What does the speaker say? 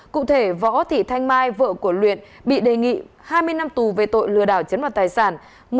cụ thể võ thị thanh mai vợ của luyện bị đề nghị hai mươi năm tù về tội lừa đảo chiếm đoạt tài sản